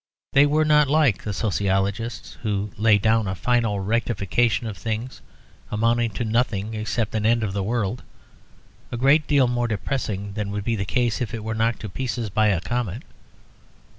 They were not like the sociologists who lay down a final rectification of things, amounting to nothing except an end of the world, a great deal more depressing than would be the case if it were knocked to pieces by a comet.